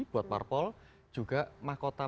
buat parpol juga mahkota